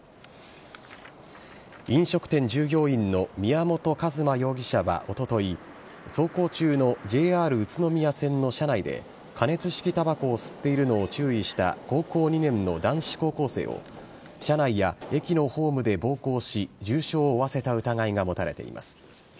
飲食店従業員の宮本一馬容疑者はおととい、走行中のＪＲ宇都宮線の車内で、加熱式たばこを吸っているのを注意した高校２年の男子高校生を、車内や駅のホームで暴行し、重傷を負わせた疑いが持たれています。